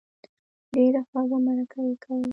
ډېره خوږه مرکه یې کوله.